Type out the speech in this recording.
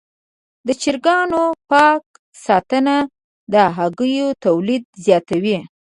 د چرګانو پاک ساتنه د هګیو تولید زیاتوي.